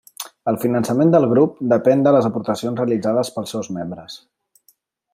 El finançament del grup depèn de les aportacions realitzades pels seus membres.